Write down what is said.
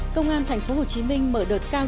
công an tp hcm mở đợt cao dụng